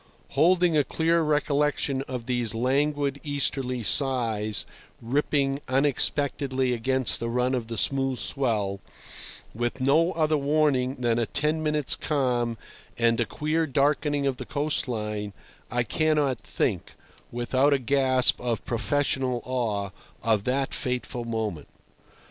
Holding a clear recollection of these languid easterly sighs rippling unexpectedly against the run of the smooth swell, with no other warning than a ten minutes' calm and a queer darkening of the coast line, I cannot think, without a gasp of professional awe, of that fateful moment.